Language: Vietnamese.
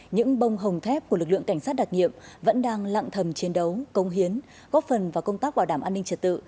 những bông hồng thép của lực lượng cảnh sát đặc nghiệm vẫn đang lặng thầm chiến đấu công hiến góp phần vào công tác bảo đảm an ninh trật tự